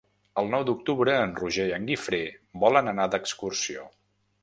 El nou d'octubre en Roger i en Guifré volen anar d'excursió.